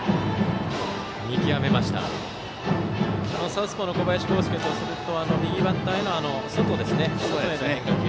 サウスポーの小林剛介とすると右バッターへの外への変化球。